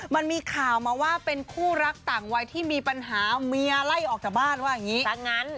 มันมีข่าวมาว่าเป็นคู่รักต่างวัยที่มีปัญหาเมียไล่ออกจากบ้านว่าอย่างนี้ซะงั้น